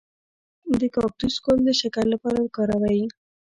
د کاکتوس ګل د شکر لپاره وکاروئ